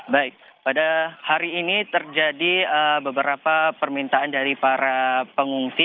baik pada hari ini terjadi beberapa permintaan dari para pengungsi